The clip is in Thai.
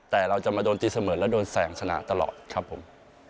แต่เราจะมาโดนตีเสมอและโดนแสงชนะตลอดครับผม